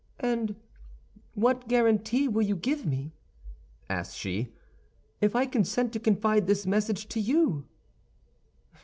"And what guarantee will you give me," asked she, "if I consent to confide this message to you?"